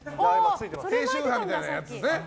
低周波みたいなやつですね。